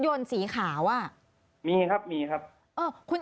พอที่ตำรวจเขามาขอ